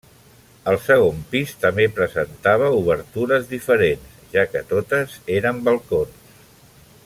El segon pis també presentava obertures diferents, ja que totes eren balcons.